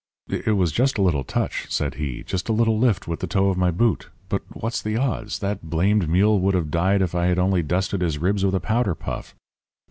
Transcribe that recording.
"'It was just a little touch,' said he, 'just a little lift with the toe of my boot but what's the odds? that blamed mule would have died if I had only dusted his ribs with a powder puff.